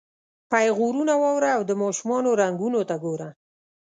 پیغورونه واوره او د ماشومانو رنګونو ته ګوره.